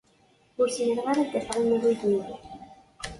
Ur zmireɣ ara ad d-afeɣ imru-iw.